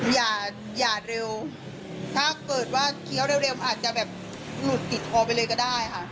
อย่าเร็วถ้าเกิดว่าเคี้ยวเร็วอาจจะแบบหลุดติดคอไปเลยก็ได้ค่ะ